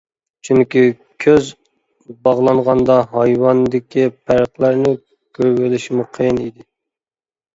چۈنكى كۆز باغلانغاندا ھايۋاندىكى پەرقلەرنى كۆرۈۋېلىشمۇ قىيىن ئىدى.